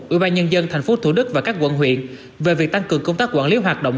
ủy ban nhân dân tp thủ đức và các quận huyện về việc tăng cường công tác quản lý hoạt động